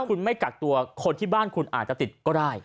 คุณไม่กักตัวคนที่บ้านคุณอาจจะติดก็ได้